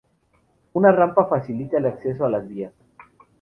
Una rampa facilita el acceso a las vías.